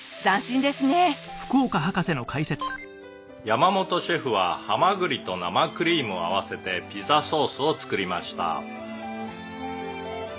「山本シェフはハマグリと生クリームを合わせてピザソースを作りました」